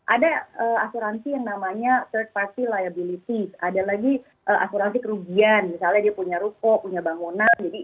ada asuransi yang namanya third facty liability ada lagi asuransi kerugian misalnya dia punya ruko punya bangunan